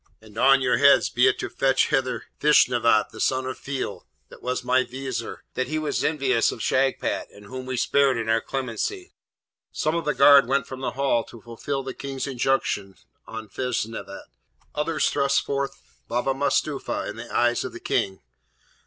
and on your heads be it to fetch hither Feshnavat, the son of Feil, that was my Vizier, he that was envious of Shagpat, and whom we spared in our clemency.' Some of the guard went from the Hall to fulfil the King's injunction on Feshnavat, others thrust forth Baba Mustapha in the eyes of the King.